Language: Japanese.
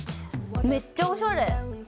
めっちゃおしゃれ。